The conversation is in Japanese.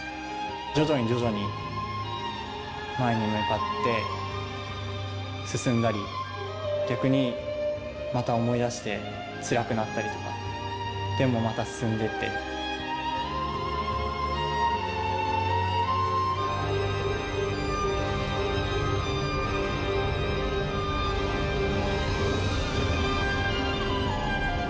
徐々に徐々に、前に向かって進んだり、逆にまた思い出してつらくなったりとか、でもまた進んでっていう。